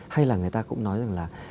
hay là người ta cũng nói rằng là